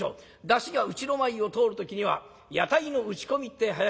山車がうちの前を通る時には屋台の打ち込みってえ囃子になる。